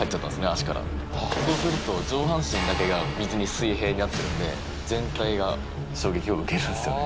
足からそうすると上半身だけが水に水平になってるんで全体が衝撃を受けるんすよね